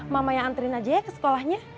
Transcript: mama yang antrin aja ya ke sekolahnya